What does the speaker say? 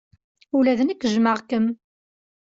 Ula d nekk jjmeɣ-kem.